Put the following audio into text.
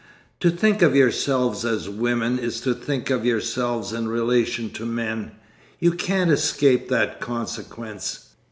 To think of yourselves as women is to think of yourselves in relation to men. You can't escape that consequence.